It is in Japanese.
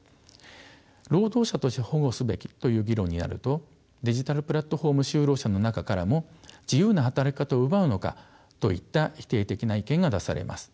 労働者として保護すべきという議論になるとデジタルプラットフォーム就労者の中からも自由な働き方を奪うのかといった否定的な意見が出されます。